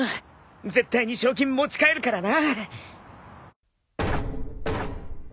絶対に賞金持ち帰るからな。